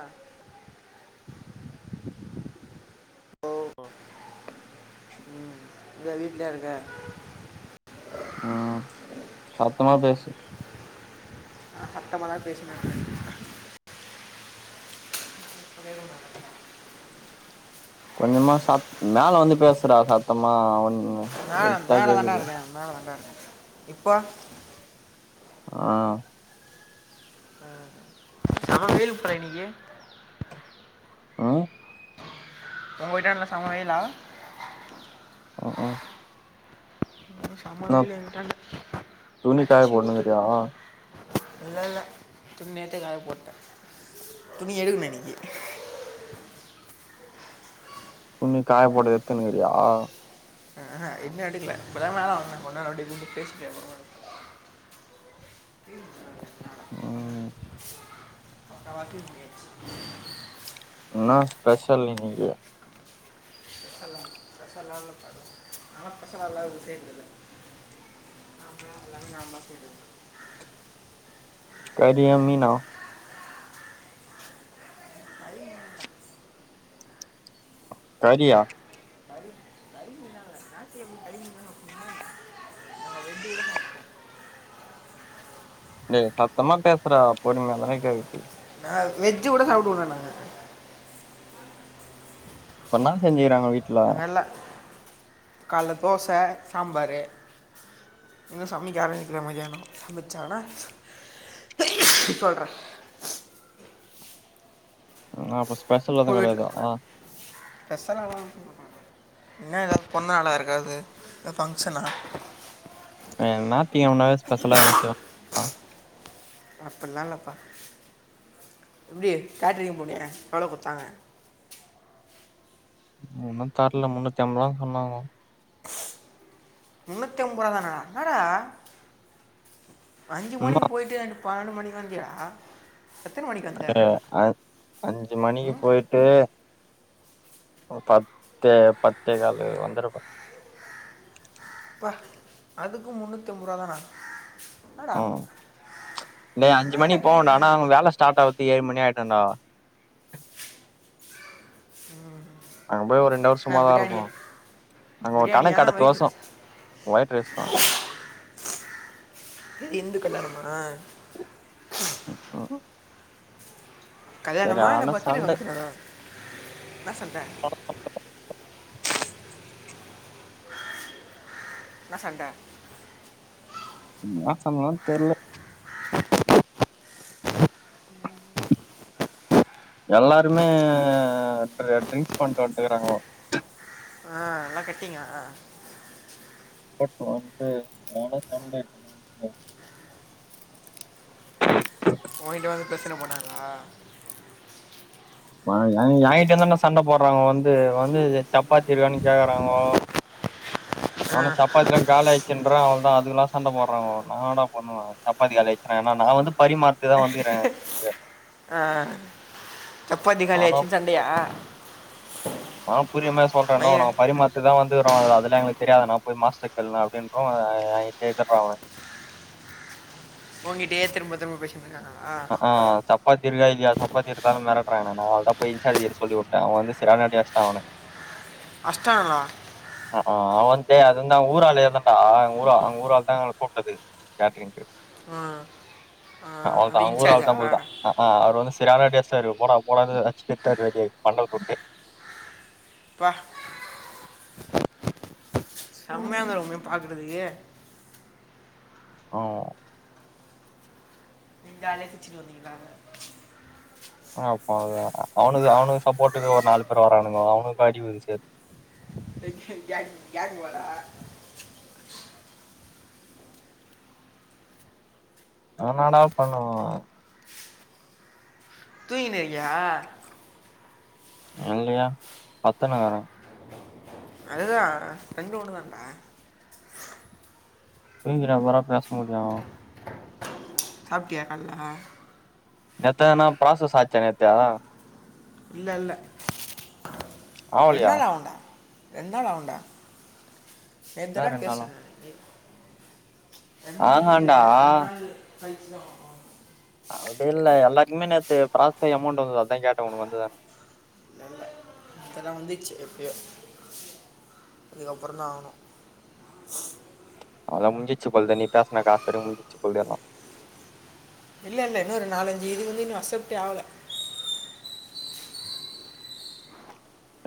ஆ ஓ ஓ ம் இங்க வீட்லயா இருக்க ம் சத்தமா பேசு சத்தமாதா பேசினே [unintelligible] கொஞ்சமா சாத் மேல வந்து பேசுறா சத்தமா ஒ மேல மேல தண்டா இருக்கே மேல தண்டா இருக்கே இப்போ ஆ ஆ வேல் போற நீயி ஆ உங்க வீட்டாண்டல சம வெய்யில ம்கூம் ம்கூம் சம வெய்லு எங் வீட்டாண்ட துணி காய அச்சு ஊத்து போட்னுக்கிறியா இல்லல்ல துணி நேத்தே காய போட்டே துணி எடுக்குனே இன்னைக்கி துண்ணி காய போடத எத்துன்னுங்கிறியா ஆஹா இன்னோ எடுக்கல இப்போதா மேல வந்த கொஞ்ச நேரோ [unintelligible] பேசிட்டு அப்பறமா எடு ம் முக்காவாசி [inaudible] என்னா ஸ்பெஷல் இன்னிக்கி பெசல பெசல ப நாலா பெசலல்ல ஏது செய்றதில்ல [inaudible] எல்லாமே நா பாத்துகிறது கறியா மீனா கறியு மீனுந்தா கறியா கறி மீன் இல்லாம ஞாத்துக்கெழம [inaudible] டேய் சத்தமா பேசுறா பொறுமைய தானே கேக்கு ஆ வெஜ்ஜு கூட சாப்டுவோ தன் நாங்க இப்பன்னா செஞ்சுகிறாங்க வீட் அங்கல்ல கால்ல தோச சாம்பரு இன்னோ சமக்க ஆரம்பிக்கிலா மத்தியானோ சமைச்சனா சொல்றே ஆ அப்ப ஸ்பெஷல் ஏது கெடையாதா பெசலலா இன்ன ஏதாவ்து பொந்தநாளா யாருக்காவ்து ஏதா பங்க்ஷனா [inaudible] நாத்திகிழமனாவே ஸ்பெஷலா எதுன்ன செய்வோ அப்பில்லா இல்லப்பா எப்டி கேட்ரிங்க போனியே எவ்ளோ குத்தாங்க ஒன்னு தர்ல முன்னுத்தி அம்பாருவன்னு சொன்னாவோ முன்னூத்தி அம்பருவாதான என்னடா அஞ்சு இன்னு மணிக்கி போய்ட்டு ரெண்டு பன்னெண்டு மணிக்கி வந்தியா எத்தன மணிக்கி வந்த அ அஞ்சு மணிக்கி போய்ட்டு பத் து பத்தே கால்லு வந்துருப்பா ப்பா அதுக்கு முன்னுத்தி அம்பருவா தான்னா ம் டேய் அஞ்சு நான் ஏன்டா மணிக்கி போவண்டா ஆனா கேட்டரிங்லாம் அவுங்க போனேன் வேல ஸ்டார்ட் அவ்ராத்து ஏழு மணி ஆயிடுண்ட அங்க போய் ஒரு ரெண்டாவர் நான் சும்மாதா இருப்போ பிரியாணியா அங்க ஒரு கணக்கு பிரியாணியா வெயிட் காட்டத்துக்கு [unintelligible] ஒய்ட் ரைஸ் தா இந்து கல்யாணமா ம் ம் கல்யாணமா இல்ல சரியான பர்த்டே சண்ட ஃபங்க்ஷன இன்னா சண்ட [inaudible] இன்னா சண்ட இன்னா சண்டன்லா தெர்ல எல்லாருமே ட்ரு ட்ரிங்க்ஸ் பண்ணிட்டு வந்துட்ருக்கானுவோ ஆ எல்லா கட்டிங்க [inaudible] சண்டே ஓங்கிட்ட வந்து பிரச்சனை போனாங்களா மா ஏ ஏங்கிட்ட இருந்தனா சண்ட போடுறாங்க வந்து வந்து சப்பாத்தி இருக்கான்னு கேக்குறாங்கோ [inaudible] ஆனா சப்பாத்திலா காலை ச்சுன்ற அவளதா அதுக்குல்லா சண்ட போட்றாங்கோ நான்னா பண்ணுவே சப்பாத்தி காளி ஆயிருச்சுன்னா என்னா நா வந்து பரிமாற் ஆ சப்பாத்தி நானு காலியாச்சுன் சண்டையா [inaudible] ஆ புரியமா சொல்றேன்னா பையன் உனக்கு பரிமாத் இதா வந்துறோ அது அதுல எங்களுக்கு தெரியாத நா போய் மாஸ்டர் கேளுன்னா அப்படின்றோ ஆ கேக்குறா அவ உங்கிட்டே திரும்ப திரும்ப பேச என்னக்கணா அ ஆ சப்பாத்திருக்கா இல்லையா சப்பாத்திருதாலு மெரட்டுறாங்க நா அவளதா போய் இஞ்சார்ச் சொல்லி விட்டே வந்து சிராடிாச்ச்டா அவனு அஸ்ட்டாங்களா அ ஆ அது வந்து அது வந்து ஊரால் எழுடா ஊ ரா அங்க ஊரால் தா கூப்ட்டது கேட்ரிங்க்கு அ ஆ அந்த அங்க ஊர் இன்சார்ஜா ஆள்தா போள்தா அ ஆ அவர் வந்து சிரான அடி அடிச்சுட்டாரு போட போடான் அடிச்சு திட்டாரு வெ பண்டலத்துட்டு பா செமயாந்திருக்குமே பாக்குறதுகு ஒள நீங்க ஆலச்சிட்டு வந்தீங்களா அப்பத அவனுக்கு அவனுக்கு சப்போர்ட்டுக்கு ஒரு நாலு பேர் வரானுங்க அவனுக்கு அடிவுலந்துச்சு க கேக்கு கேக் வரா ஒன்னொன்னா பண்ணுவோ தூங்கினுறுக்கியா இல்லையே பத்துனுக்குரே அதுதா ரெண்டு ஒன்னு தாண்டா தூங்கிட்டா எப்புறா பேச முடியு சாப்ட்டியா கால்ல என்னத்தா நா ப்ரோசஸ் ஆச்சா நேத்த இல்ல இல்ல ரெண் ஆவலையா நாள் ஆவுண்டா ரெண் நாள் அவுண்டா இன்னு நேத்தான ரெண்டு நாளா பேசுனே நே ரெண் நாள் கிட்ட ஆஹான்டா ரெண்டு நாள் கழிச்சுதா அப்டி இல்ல எல்லாருக்குமே நேத்து பராசஸ் அய் அமௌன்ட் வந்துது அதா கேட்ட உனக்கு வந்துதான்னு அதலா வந்துச்சு எப்பயோ அதுக்கப்பறதா ஆவணு அவல த முஞ்சிச்சி போல்தா நீ பேசினா காசு முஞ்சிச்சு போல் தேனோ இல்ல இல்ல இன்னோரு நாலஞ்சுது வந்து இன்னு அசப்டே ஆகல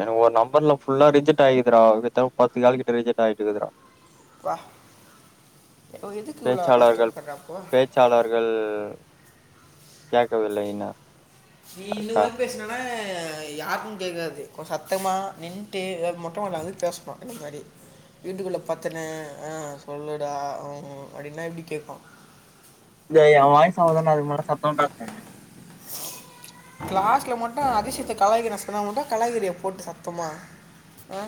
எனக்கொரு நம்பர்ல புல்லா ரிஜெக்ட் ஆகித்துடா [unintelligible] தேவ பத்து கால் கிட்ட ரிஜெக்ட் ஆகிட்டுக்குதுடா ப்பா இப்போ இதுக்கு இவ்ளோ கஷ்டப்பறா அப்போ ச்சாளர்கள் கேக்கவில்லைன்னா நீ இந்தமார் பேசனனா யாருக்கு கேக்காது கொ சத்தமா நின்ட்டு மொட்ட மாட்ல வந்து பேசுனு இந்த மாரி வீட்டுக்குள்ள பத்துனு ஆ சொல்லுடா உ அப்டினா எப்டி கேக்கு எ ஏன் வாய்ஸ் அவ்ளோதான்டா அதுக்கு மேல சத்தமா [unintelligible] க்ளாஸ்க்ல மொட்டு அதிசயத்த கலாய்கிற சொன்னா மட்டு கலாய்கிறியே போட்டு சத்தமா அ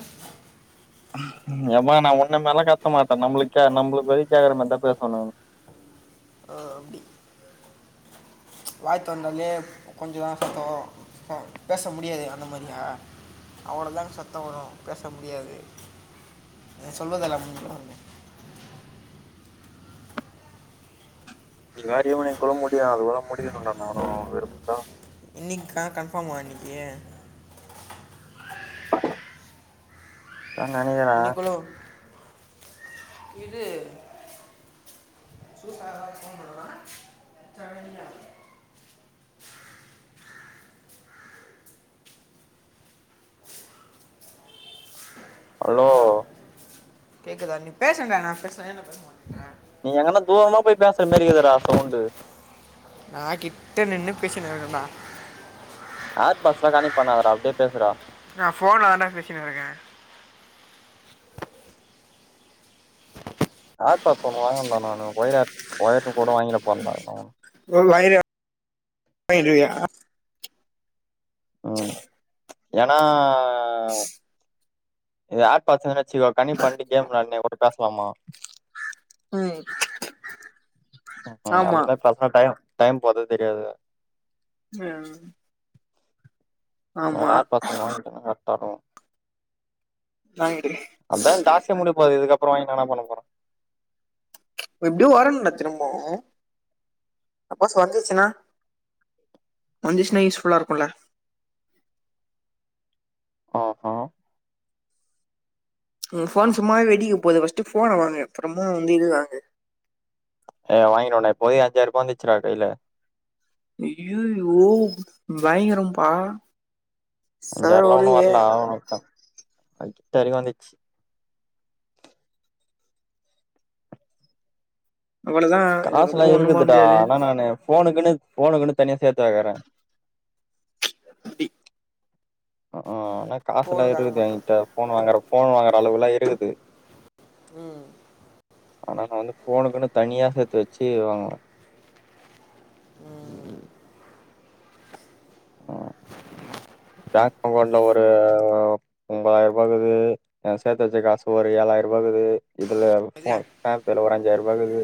எப்பா நா உன்ன மார்லா கத்த மாட்ட நம்ளுக்க நம்ப்ளுக் பய் கே்கற மாத்தா பேஸ்ணுனு அ அப்டி வாய்த்தொந்தாலே கொஞ்சுதா சத்தோ ஹு பேச முடியாது அந்த மரியா அவ்ளோதாங் சத்த வரு பேச முடியாது அ சொல்வதல்லாம் [unintelligible] உன்னே நீங்க வேறியு ஊனே குல முடியு அது உல முடியனுன்டா நானு வெறுத் தா இன்னிக் கா கன்ஃபார்மா அன்னிக்யே தா நனிகிறா இன்னைக்குள்ள இது சூஸ்கா அதால ஃபோன் பண்ணுறா ஹா [unintelligible] ஹலோ ஆ கேக்குதா நீ பேசங்க நா பேசு எ நா பேச மாட்டின்ற நீங்க எங்கன்னா தூரமா போய் பேசுற் மாரி இதடா சவுண்டு நா கிட்ட நின்னு பேசினுருக்கேன்டா ஆர் பாட்ஸ்லா கணெ பண்ணாதடா அப்டே பேசுடா நா ஃபோன்ல ஆண்டா பேசினு இருக்கே ஆப்பா சொன்னுவாங்கன்னா நானு ஒய்ர ஒய்ர் கூட வாங்கிர பண்ணனு எவ்ள் வய்ரு அய்ன்டூயா ம் ஏனா ஒ இது ஏர் பாட்ஸுனு நச்சிகோ கனி பன்டிக்கேம் வெளாணே ஓட்ட பேஸ்லாமா உ வய் ம்ம் அந்தமே பாஸ்னா டையு டைம் போதே தெரியாது மெம் அ ரார் பாட்ஸ் பன் வாங்கிட்டா கர்க்டாக்கு வாங்கிடு அதான் டாஸ்கே முடிய போதே இதுக்கப்றோ என்னடா பண்ண போறோ ப எப்டியு வரணுன்டா திரும்பவு அப்பாஸ் வந்துச்சுனா வன்ஜிஷ் நய்ஷ் ஃபுல்லா இருக்குல ஆஆ உன் ஃபோன் சும்மாய் வெடிக்க போது வஸ்ட்டு ஃபோன வாங்குங்க அப்றமா வந்து இதுவாங்கு ஏ வாங்கிண்ணொன்னே இப்போதே அஞ்சாய்ருபான் வெச்சிராத் கைல இய்யு ஓவ் பய்ங்கரம்பா அஞ்சார்லா ஒன்னு வர்ல [unintelligible] தெரி வந்துச்சு அவ்வளதா காஸ்லா இதுக்கப்புறோ ஒண்ணு பண்ண இருக்குதுடா முடியாது ஆனா நானு ஃபோனுக்குனு ஃபோனக்குனு தனியா சேத்து வக்கறே முடி அஆ நா காஸுலா போனுக்காக இருக்குது மட்டு என்கிட்ட ஃபோன் வாங்கற ஃபோன் வாங்குற அளவுல்லா இருக்குது ம் ஆனா நா வந்து ஃபோனுக்குனு தனியா சேத்து வச்சி வாங்கு டா அங்கொண்ட்ல ஒரு ஓ ஒம்பதாய் ருபா இக்குது ஏ சேத்து வச்ச காசு ஒரு ஏழாய் ருபா குது இதுல அது ஃபோன் டேப்புல ஒரு அஞ்சாய்ருபாக்குது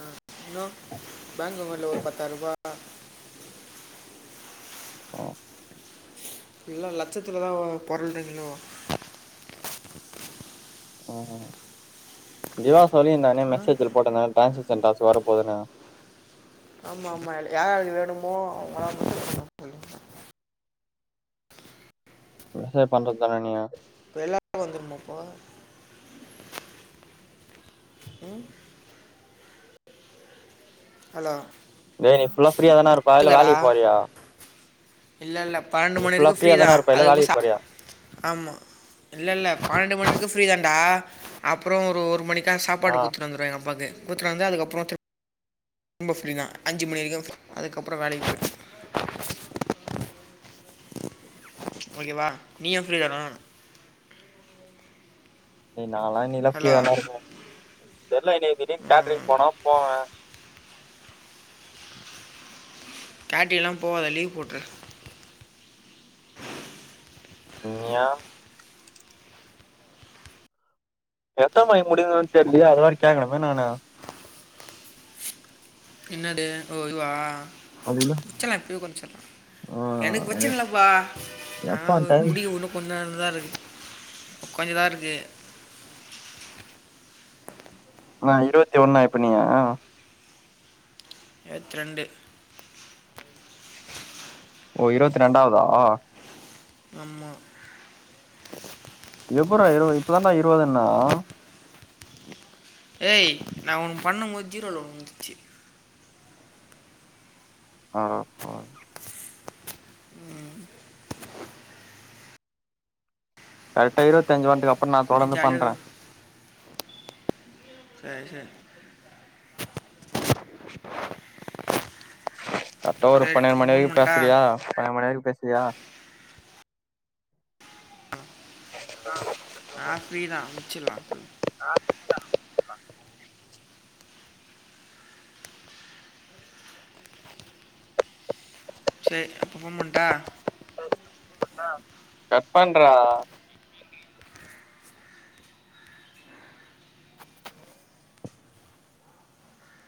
ஆ இன்னு பேங்க் அக்கவுண்ட்ல ஒரு பத்தாய்ருபா ம் இல்லா லட்சத்துலதா ஓ பொருள்றீங்ளோ ம் திவா சொல்லிர்ந்தானே மெசேஜ்ல போட்டந்தான் டிரான்ஜிஷன் டாஸ் வர போதுன்னா ஆமா ஆமா ஏல்லு யாரன்னி வேணுமோ அவங்களா [unintelligible] பண்ணும் சொல்லுங்க ச பண்றது தானே நீயா அப்ப எல்லாருக்கு வந்துருமா அப்போ ம் ஹலோ டே இன்னிக்கி ஃபுலா ஃப்ரீயாதானே இருப் த்துதடா இல்ல இல்ல பன்னெண்டு நீ மணி ஃபுல்லா வரைக்கு ஃப்ரீ ஃப்ரீயா தா தான இருப்ப இல்ல அதுகப்ப வேலைக்கு சா போறியா ஆமா இல்ல இல்ல பன்னெண்டு மணி வரைக்கு ஃப்ரீ தான்டா அப்புறோ ஒரு ஒரு மணிக் க ஆ சாப்பாடு குத்துடுந்து வந்துருவ எ அப்பாக்கு குத்துடு வந்து அதுக்கப்புறோ தி ம்ப ஃப்ரீ தா அஞ்சு மணி வரைக்கு அதுக்கப்புறோ வேலைக்கு போ ஓகேவா நீயு ஃப்ரீ தானா டேய் நா எல்லா இனியெல்லா ஃப்ரீயா ஹலோ தாண்டா இருப்ப தெர்ல இனி திடீருன்னு கேட்ரிங் போனாலு போவே கேட்ரிங்கெல்லா போவாதா லீவ் போட்ரு ம் ஏ எந்த மாரி முடியுன்னு தெரியலையா அதுமாரி கேக்கனுமே நானு என்னது ஓ இது வா அதில்ல செல்லாக்கு கோஞ்சோ சொல்லலா எனக்கு பிரச்சன்லப்பா நா எப்ப டைம் முடிய உன கொஞ்ச நல்லதா இருக்கு கொஞ்ச தா இருக்கு ஆ இருபத்தி ஒண்ணா இப்ப நீயி இருவத் ரெண்டு ஓ இருபத்தி ரெண்டாவதா ஆமா எப்றா இரு இப்பதாண்டா இருவதுன்னா ஏய் நா ஒன்னு பண்ணு போது ஹீரோ ல ஒன்னு இருந்திச்சி அப்றோ கரக்ட இருவத்தஞ்சு வண்ட்டிருக்கு அப்றோ நா தொடந்து ஜாலியாக பண்றே சரி சரி அத்தா ஒரு சரி பன்னிரண்டு அப்புறம் ஃபோன் மணிரைக்கு பண்ணிட்டா பேசுறியா பன்னிரண்டு மணி வரைக்கு பேசுறியா ஆ ஆ ஃப்ரீ தா முச்சிலா போய் ஆ ஃப்ரீதா முச்சிலா செரி அப்ப ஃபோன் பண்ணட்டா கட் பண்றா